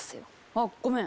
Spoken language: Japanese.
あっごめん。